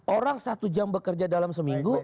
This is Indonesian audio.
orang satu jam bekerja dalam seminggu